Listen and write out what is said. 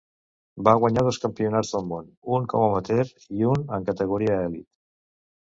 Va guanyar dos Campionats del món, un com amateur i un en categoria elit.